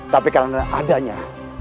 tapi karena adanya